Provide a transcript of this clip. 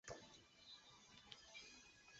藏南柳为杨柳科柳属下的一个种。